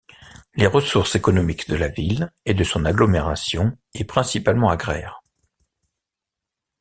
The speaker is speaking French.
Les ressources économiques de la ville et de son agglomération est principalement agraire.